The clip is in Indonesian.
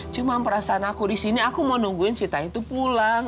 cuma perasaan aku di sini aku mau nungguin si tai itu pulang